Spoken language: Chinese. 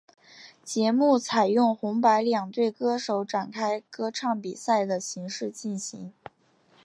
节目采由红白两队歌手展开歌唱比赛的形式进行。